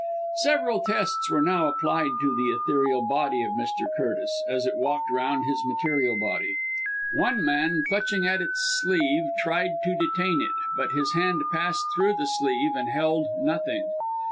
Several tests were now applied to the ethereal body of Mr. Curtis, as it walked round his material body. One man, clutching at its sleeve, tried to detain it, but his hand passed through the sleeve, and held nothing.